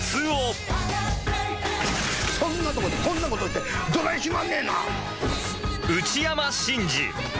「そんなとこでこんな事してどないしまんねんな！」。